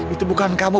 itu bukan kamu